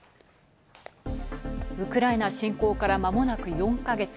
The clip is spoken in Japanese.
ウクライナ侵攻から間もなく４か月。